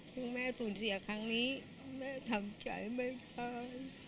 ซึ่งแม่สูญเสียครั้งนี้แม่ทำใจไม่ได้